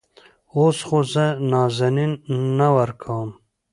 اوس خو زه نازنين نه ورکوم.